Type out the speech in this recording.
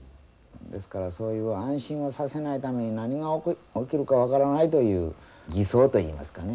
ですからそういう安心はさせないために何が起きるか分からないという偽装といいますかね。